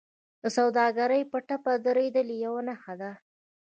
د سوداګرۍ په ټپه درېدل یوه نښه ده